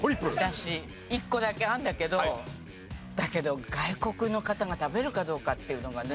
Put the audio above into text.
私１個だけあるんだけどだけど外国の方が食べるかどうかっていうのがね。